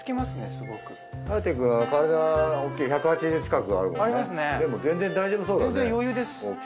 すごく颯くんは体大きい１８０近くあるもんねでも全然大丈夫そうだね大きさ全然余裕です